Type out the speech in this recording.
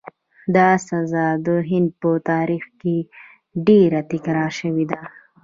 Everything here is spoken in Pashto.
دا سزا د هند په تاریخ کې ډېره تکرار شوې ده.